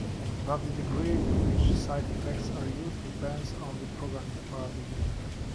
But the degree to which side effects are used depends on the programming paradigm.